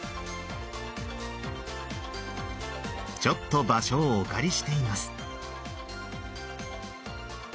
ちょっと場所をお借りしています。